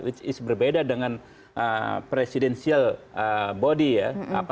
which is berbeda dengan presidensial body ya